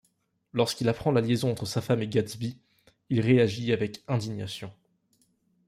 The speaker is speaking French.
Lorsqu’il apprend la liaison entre sa femme et Gatsby, il réagit avec indignation.